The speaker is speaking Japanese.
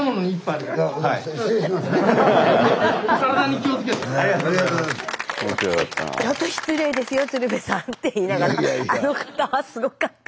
「ちょっと失礼ですよ鶴瓶さん」って言いながらあの方はすごかった。